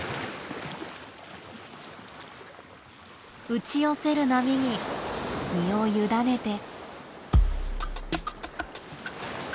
打ち寄せる波に身を委ねて。